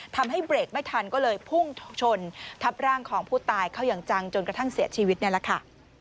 ทำให้เบรกไม่ทันก็เลยพุ่งชนทับร่างของผู้ตายเข้าอย่างจังจนกระทั่งเสียชีวิตนี่แหละค่ะ